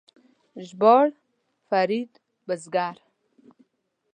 ژباړ: فرید بزګر